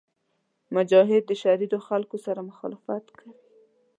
مجاهد د شریرو خلکو سره مخالفت کوي.